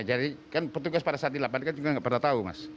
jadi kan petugas pada saat dilaporkan juga nggak pernah tahu mas